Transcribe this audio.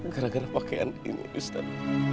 gara gara pakaian ini ustadz